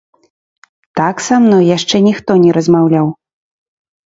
Так са мной яшчэ ніхто не размаўляў!